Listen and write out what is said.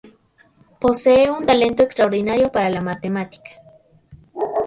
Posee un talento extraordinario para la matemática.